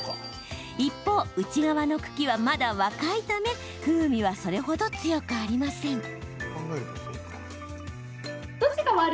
一方、内側の茎はまだ若いため風味はそれほど強くありません。